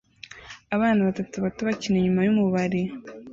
Abana batatu bato bakina inyuma yumubari